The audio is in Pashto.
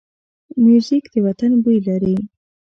موزیک د وطن بوی لري.